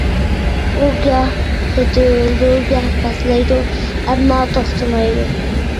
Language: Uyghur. ئۇ گاھ كۆتۈرۈلىدۇ، گاھ پەسلەيدۇ ئەمما توختىمايدۇ.